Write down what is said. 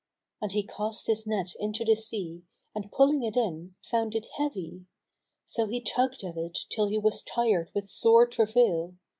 And he cast his net into the sea and pulling it in, found it heavy; so he tugged at it till he was tired with sore travail.